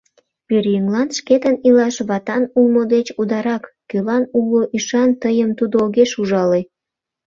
Пӧръеҥлан шкетын илаш ватан улмо деч ударак, кӧлан уло ӱшан, тыйым тудо огеш ужале.